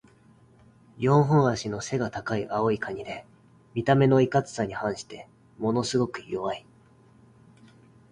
四本脚の背が高い青いカニで、見た目のいかつさに反してものすごく弱い。